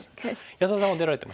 安田さんは出られてます？